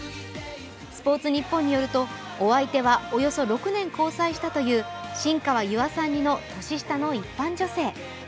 「スポーツニッポン」によるとお相手はおよそ６年交際したという新川優愛さん似の年下の一般女性。